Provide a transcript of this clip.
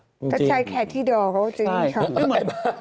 แต่ใช้คาทิดอลเค้าก็จริงครับ